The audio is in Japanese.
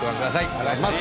お願いします。